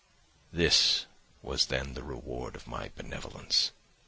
"This was then the reward of my benevolence!